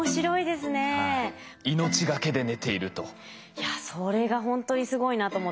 いやそれがほんとにすごいなと思って。